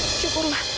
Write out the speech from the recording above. ini kan ibunya amir